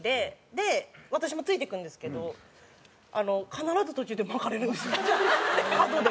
で私もついていくんですけど必ず途中でまかれるんですよ角で。